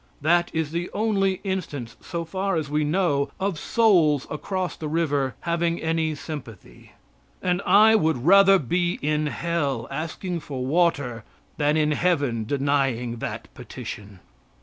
That is the only instance, so far as we know, of souls across the river having any sympathy. And I would rather be in hell, asking for water, than in heaven denying that petition.